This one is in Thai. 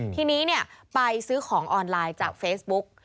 ทีนี้ไปซื้อของออนไลน์จากเฟซบุ๊ก